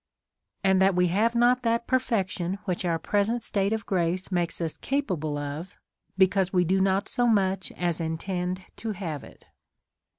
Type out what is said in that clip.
And that we have not that perfection which our present state of grace makes us capable of, because we do not so much as intend to have it.